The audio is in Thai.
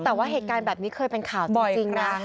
แต่ว่าเหตุการณ์แบบนี้เคยเป็นข่าวจริงนะ